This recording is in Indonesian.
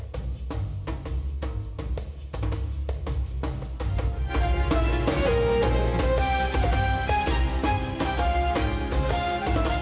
waalaikumsalam warahmatullahi wabarakatuh